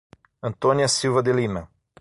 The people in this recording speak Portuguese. Antônia Silva de Lima